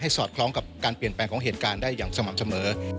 สอดคล้องกับการเปลี่ยนแปลงของเหตุการณ์ได้อย่างสม่ำเสมอ